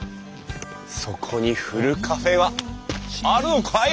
そこにふるカフェはあるのかい？